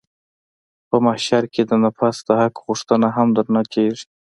په محشر کښې د نفس د حق پوښتنه هم درنه کېږي.